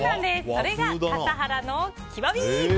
それが笠原の極み！